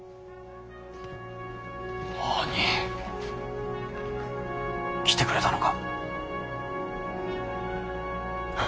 あにぃ来てくれたのか！